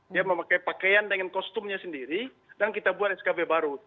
dia memakai pakaian dengan kostumnya sendiri dan kita buat skb baru